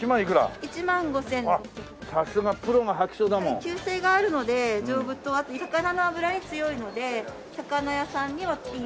耐久性があるので丈夫とあと魚の脂に強いので魚屋さんにはいい。